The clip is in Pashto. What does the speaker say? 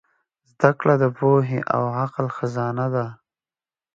زدهکړه د پوهې او عقل خزانه ده.